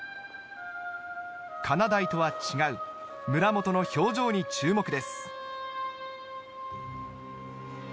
「かなだい」とは違う村元の表情に注目です